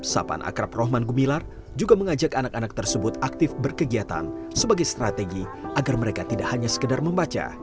sapan akrab rohman gumilar juga mengajak anak anak tersebut aktif berkegiatan sebagai strategi agar mereka tidak hanya sekedar membaca